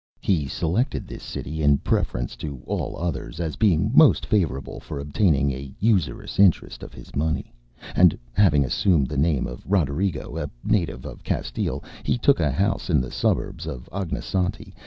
He selected this city in preference to all others, as being most favourable for obtaining an usurious interest of his money; and having assumed the name of Roderigo, a native of Castile, he took a house in the suburbs of Ognissanti.